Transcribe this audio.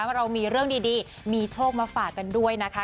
ว่าเรามีเรื่องดีมีโชคมาฝากกันด้วยนะคะ